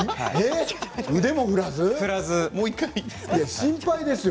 腕も振らず、心配ですよ。